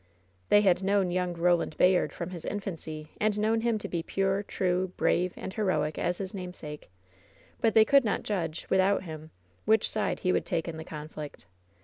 They had known young Eoland Bayard from his in fancy, and known him to be pure, true, brave and heroic as his namesake, but they could not judge, without him, which side he would take in the conflict.